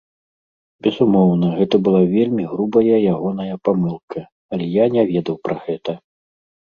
Безумоўна, гэта была вельмі грубая ягоная памылка, але я не ведаў пра гэта.